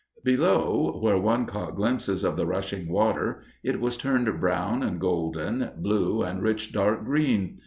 Below, where one caught glimpses of the rushing water, it was turned brown and golden, blue and rich dark green.